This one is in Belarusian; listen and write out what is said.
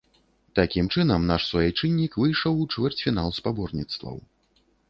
Такім чынам, наш суайчыннік выйшаў у чвэрцьфінал спаборніцтваў.